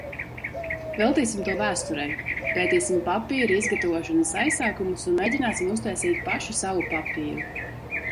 Veltīsim to vēsturei. Pētīsim papīra izgatavošanas aizsākumus un mēģināsim uztaisīt paši savu papīru.